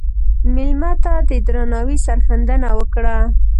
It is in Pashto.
مېلمه ته د درناوي سرښندنه وکړه.